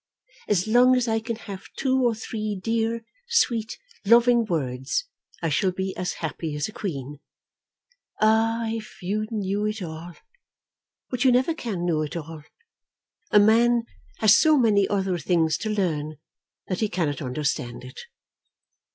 As long as I can have two or three dear, sweet, loving words, I shall be as happy as a queen. Ah, if you knew it all! But you never can know it all. A man has so many other things to learn that he cannot understand it.